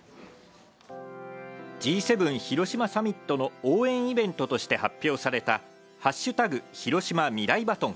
Ｇ７広島サミットの応援イベントとして発表された、＃ヒロシマミライバトン。